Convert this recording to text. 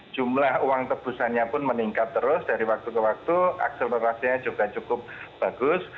jumlah uang tebusannya pun meningkat terus dari waktu ke waktu akselerasinya juga cukup bagus